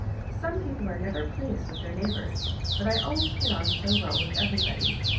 Some people are never pleased with their neighbours, but I always get on so well with everybody.